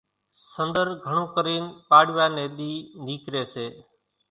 سنۮر گھڻون ڪرين پاڙِويا ني ۮي نيڪري سي